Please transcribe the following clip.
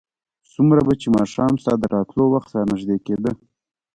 څومره به چې ماښام ستا د راتلو وخت رانږدې کېده.